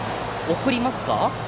送りますか？